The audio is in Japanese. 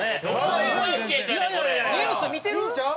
ニュース見てる？いいんちゃう？